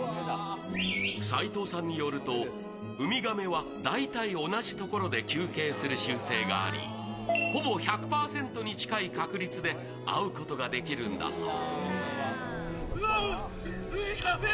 齊藤さんによるとウミガメは大体同じところで休憩する習性がありほぼ１００％に近い確率で会うことができるんだそう。